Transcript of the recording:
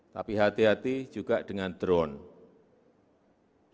tapi hati hati juga dengan drone